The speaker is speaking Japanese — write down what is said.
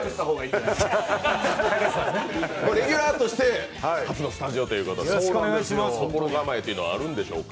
レギュラーとして初のスタジオということで心構えっていうのはあるんでしょうか。